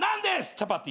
チャパティ。